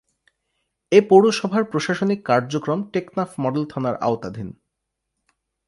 এ পৌরসভার প্রশাসনিক কার্যক্রম টেকনাফ মডেল থানার আওতাধীন।